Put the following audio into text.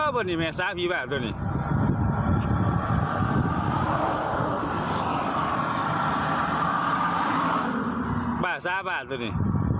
วันนี้แม่ซ้าพี่แบบตัวนี้แบบซ้าแบบตัวนี้